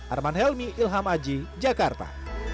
arman helmi ilham aji jakarta